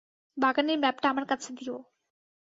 বাগানের ম্যাপটা আমার কাছে দিয়ো।